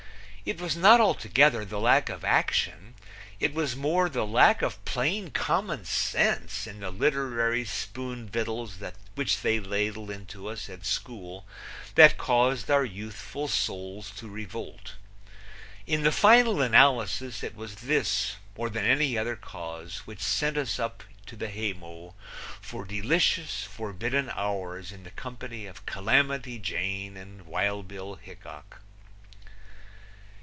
It was not altogether the lack of action; it was more the lack of plain common sense in the literary spoon victuals which they ladled into us at school that caused our youthful souls to revolt. In the final analysis it was this more than any other cause which sent us up to the haymow for delicious, forbidden hours in the company of Calamity Jane and Wild Bill Hickok.